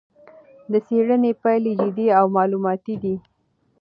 د څېړنې پایلې جدي او معلوماتي دي.